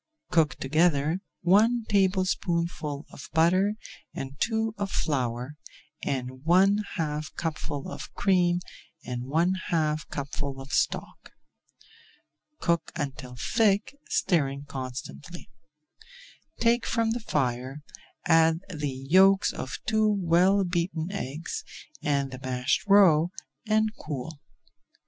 Cook together one tablespoonful of butter and two of flour, and add one half cupful of cream and one half cupful of stock. Cook until thick, stirring constantly. Take from the fire, add the yolks of two well beaten eggs, and the mashed roe, and cool.